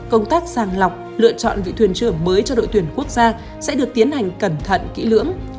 công tác sàng lọc lựa chọn vị thuyền trưởng mới cho đội tuyển quốc gia sẽ được tiến hành cẩn thận kỹ lưỡng